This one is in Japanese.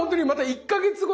１か月後。